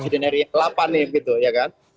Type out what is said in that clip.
presiden ri yang ke delapan nih gitu ya kan